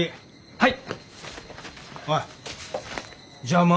はい。